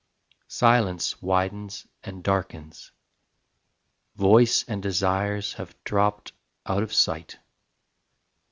Silence widens and darkens; Voice and desires have dropped out of sight.